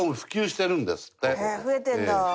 へえ増えてるんだ。